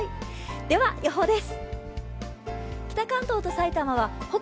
では、予報です。